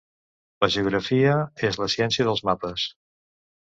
La Geografía és la ciència dels mapes